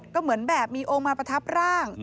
ก็เหมือนแบบมีองค์มาประทับร่าง